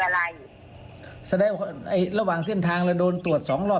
แต่หนูคาดว่าน่าจะเป็นชุดที่เคยมาหน้าร้านรับประสานงานมา